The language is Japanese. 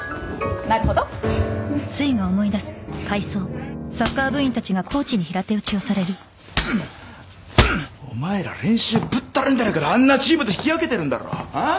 なるほどお前ら練習ぶったるんでるからあんなチームと引き分けてるんだろああ？